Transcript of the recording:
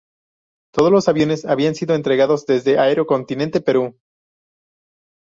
Todos los aviones habían sido entregados desde Aero Continente Perú.